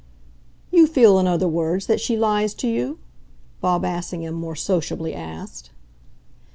"You feel, in other words, that she lies to you?" Bob Assingham more sociably asked.